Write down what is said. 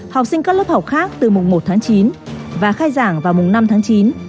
học sinh các lớp học khác từ mùng một tháng chín và khai giảng vào mùng năm tháng chín